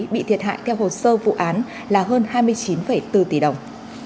bị thiệt hại theo hồ sơ vụ án là hơn hai mươi chín bốn tỷ đồng